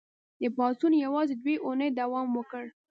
دې پاڅون یوازې دوه اونۍ دوام وکړ.